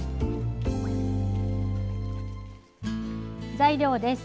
材料です。